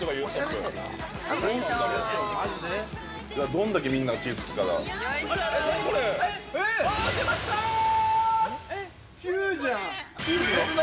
◆どんだけみんながチーズが好きかが。